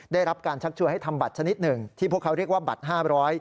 ได้รับการชักชวนให้ทำบัตรชนิดหนึ่งที่พวกเขาเรียกว่าบัตรห้าร้อย